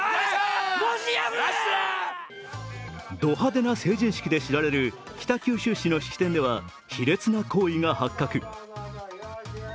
ど派手な成人式でしられる北九州市の式典では卑劣な行為が発覚。